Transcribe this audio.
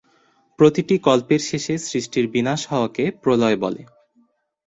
প্রতিটি কল্পের শেষে সৃষ্টির বিনাশ হওয়াকে প্রলয় বলে।